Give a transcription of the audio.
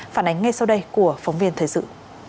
phản ánh ngay sau đây của phóng viên thời sự